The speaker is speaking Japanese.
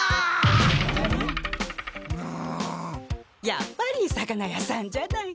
やっぱり魚屋さんじゃない！